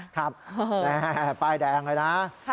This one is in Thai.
ครับแม่ป้ายแดงเลยนะ